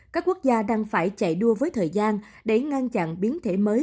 các quốc gia đang phải chạy đua với thời gian để ngăn chặn biến thể mới